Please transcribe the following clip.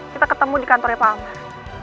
kita ketemu di kantornya pak amah